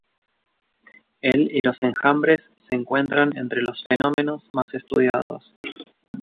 El y los enjambres se encuentran entre los los fenómenos más estudiados.